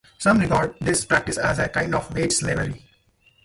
Some regard this practice as a kind of "wage-slavery".